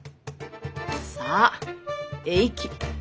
さあえいき。